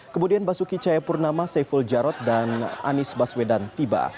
kemudian basuki chayapurnama seiful jarod dan anis baswedan tiba